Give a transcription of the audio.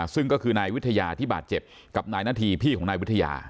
ซึ่งก็คือนายวิทยาที่บาดเจ็บกับนายนาธีพี่ของนายวิทยา